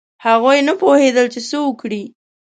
هغوی نه پوهېدل چې څه وکړي.